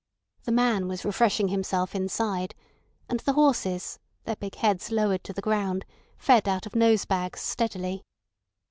The man was refreshing himself inside, and the horses, their big heads lowered to the ground, fed out of nose bags steadily.